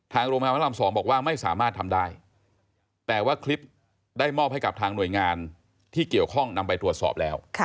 โรงพยาบาลพระราม๒บอกว่าไม่สามารถทำได้แต่ว่าคลิปได้มอบให้กับทางหน่วยงานที่เกี่ยวข้องนำไปตรวจสอบแล้ว